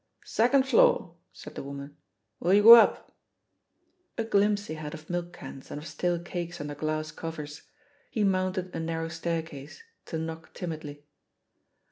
"Second floor/* said the woman. "Will you go up." A glimpse he had of milk cans, and of stale cakes under glass covers. He mounted a nar row staircase, to knock timidly.